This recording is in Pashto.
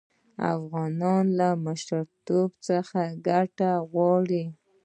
افغانان له مشرتوب څخه عدالت غواړي.